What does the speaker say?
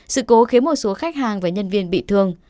sự cố khiến một số khách hàng và nhân viên bị thương